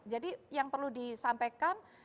jadi yang perlu disampaikan